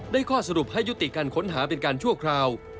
ข้อสรุปให้ยุติการค้นหาเป็นการชั่วคราว